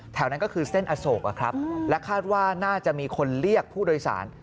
นั้นก็คือเส้นอโศกและคาดว่าน่าจะมีคนเรียกผู้โดยสาร